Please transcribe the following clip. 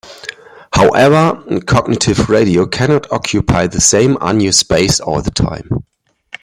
However, cognitive radio cannot occupy the same unused space all the time.